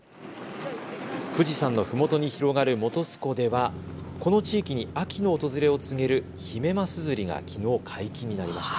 富士山のふもとに広がる本栖湖ではこの地域に秋の訪れを告げるヒメマス釣りがきのう、解禁になりました。